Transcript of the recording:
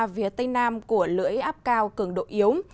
phía tây nam của lưỡi áp cao cường độ yếu